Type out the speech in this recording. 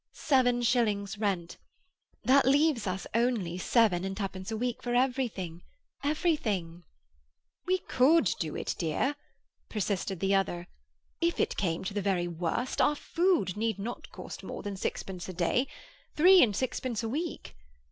"Seven shillings rent; that leaves only seven and twopence a week for everything—everything." "We could do it, dear," persisted the other. "If it came to the very worst, our food need not cost more than sixpence a day—three and sixpence a week.